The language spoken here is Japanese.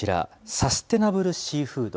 サステナブルシーフード。